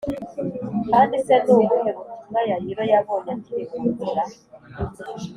kandi se ni ubuhe butumwa Yayiro yabonye akiri mu nzira